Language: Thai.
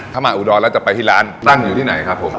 ถ้ามาอุดรแล้วจะไปที่ร้านตั้งอยู่ที่ไหนครับผม